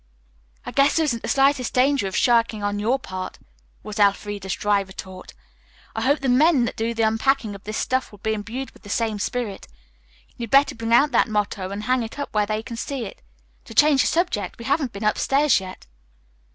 "I guess there isn't the slightest danger of shirking on your part," was Elfreda's dry retort. "I hope the men that do the unpacking of this stuff will be imbued with the same spirit. You'd better bring out that motto and hang it up where they can see it. To change the subject, we haven't been upstairs yet."